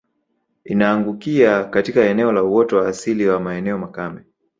Inaangukia katika eneo la uoto wa asili wa maeneo makame